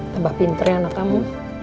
tambah pinter anak kamu